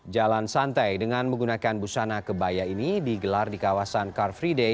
jalan santai dengan menggunakan busana kebaya ini digelar di kawasan car free day